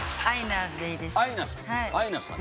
アイナさん？